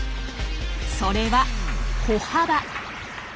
それは歩幅。